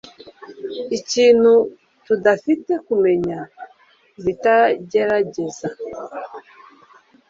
Ikintu tudafite kumenya ibitagerageza